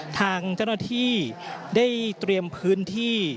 ทางเจ้าหน้าที่ได้เตรียมพื้นที่